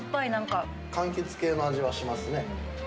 かんきつ系の味はしますね。